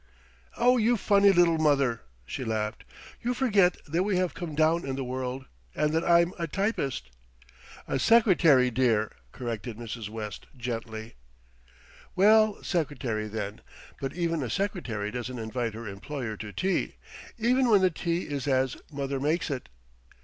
"Oh, you funny little mother!" she laughed. "You forget that we have come down in the world, and that I'm a typist." "A secretary, dear," corrected Mrs. West gently. "Well, secretary, then; but even a secretary doesn't invite her employer to tea, even when the tea is as mother makes it.